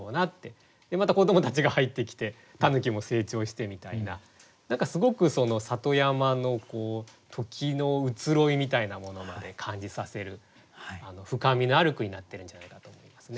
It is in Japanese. また子どもたちが入ってきて狸も成長してみたいな何かすごく里山の時の移ろいみたいなものまで感じさせる深みのある句になってるんじゃないかと思いますね。